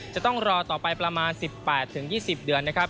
จะต้องรอต่อไปประมาณ๑๘๒๐เดือน